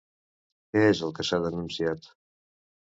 Què és el que s'ha denunciat?